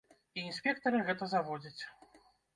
І інспектара гэта заводзіць.